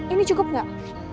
ini cukup nggak